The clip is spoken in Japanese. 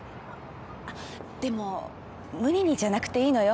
でも無理にじゃなくていいのよ。